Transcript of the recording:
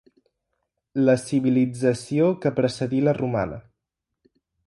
La civilització que precedí la romana.